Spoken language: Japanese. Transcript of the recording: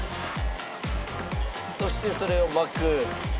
そしてそれを巻く。